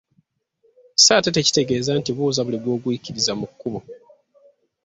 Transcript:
So ate tekitegeeza nti buuza buli gw’ogwikiriza mu kkubo.